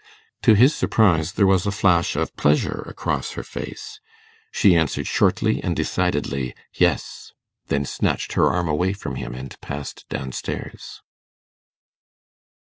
To his surprise, there was a flash of pleasure across her face; she answered shortly and decidedly, 'Yes', then snatched her arm away from him, and passed down stairs.